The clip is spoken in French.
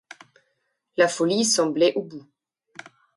La folie semblait au bout.